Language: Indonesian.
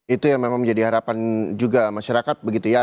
itu yang memang menjadi harapan juga masyarakat begitu ya